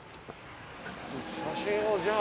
写真をじゃあ。